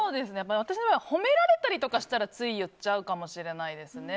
私の場合は褒められたりされたら、つい言っちゃうかもしれないですね。